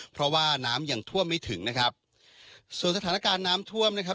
เพราะว่าน้ำยังท่วมไม่ถึงนะครับส่วนสถานการณ์น้ำท่วมนะครับ